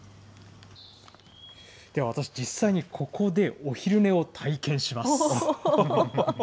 では私、実際に、ここでお昼寝を体験します。